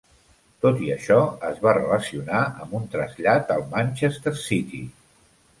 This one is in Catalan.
Tot i això, es va relacionar amb un trasllat al Manchester City.